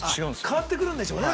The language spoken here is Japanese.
変わってくるんでしょうね。